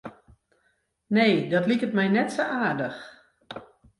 Nee, dat liket my net sa aardich.